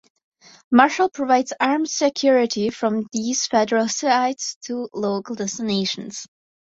Marshal provides armed security from these federal sites to local destinations.